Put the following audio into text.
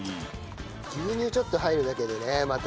牛乳ちょっと入るだけでねまた。